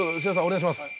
お願いします。